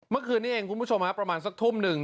เมื่อคืนนี้เองคุณผู้ชมฮะประมาณสักทุ่มหนึ่ง